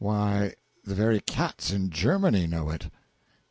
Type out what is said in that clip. Why, the very cats in Germany know it!